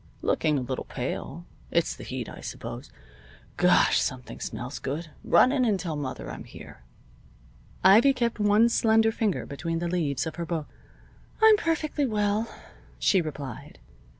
"Looking a little pale. It's the heat, I suppose. Gosh! Something smells good. Run in and tell Mother I'm here." Ivy kept one slender finger between the leaves of her book. "I'm perfectly well," she replied.